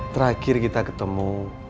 terakhir kita ketemu